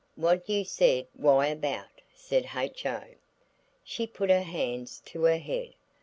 "What you said why about," said H.O. She put her hands to her head.